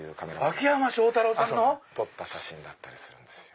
秋山庄太郎さんの⁉撮った写真だったりするんです。